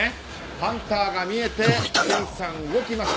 ハンターが見えて、健さん動きました。